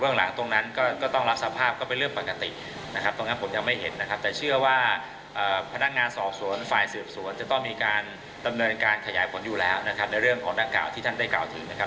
ในการขยายผลอยู่แล้วนะครับในเรื่องของนักกล่าวที่ท่านได้กล่าวถึงนะครับ